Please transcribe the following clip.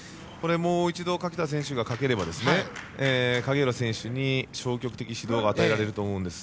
もう一度垣田選手がかければ影浦選手に消極的指導が与えられると思うんです。